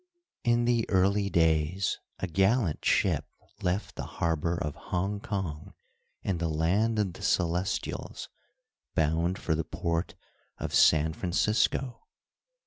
In the "early days" a gallant ship left the harbor of Hong Kong, in the land of the Celestials, bound for the port of San Francisco.